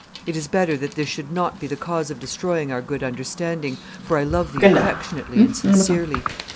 It is better that this should not be the cause of destroying our good understanding, for I love thee affectionately and sincerely.